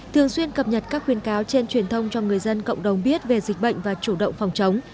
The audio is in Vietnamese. thường xuyên cập nhật các khuyên cáo trên truyền thông cho người dân cộng đồng biết về dịch bệnh và chủ động phòng chống